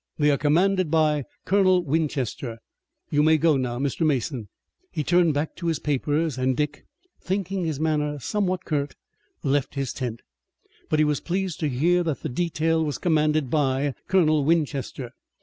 They are commanded by Colonel Winchester. You may go now, Mr. Mason." He turned back to his papers and Dick, thinking his manner somewhat curt, left his tent. But he was pleased to hear that the detail was commanded by Colonel Winchester.